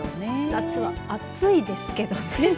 夏は、暑いですけどね。